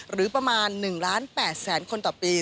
หรือประมาณ๑ล้าน๘แสนคนต่อปี